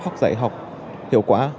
học dạy học hiệu quả